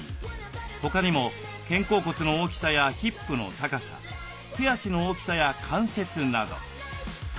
他にも肩甲骨の大きさやヒップの高さ手足の大きさや関節など。